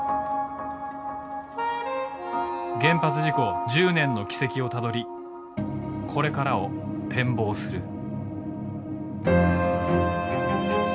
原発事故１０年の軌跡をたどりこれからを展望する。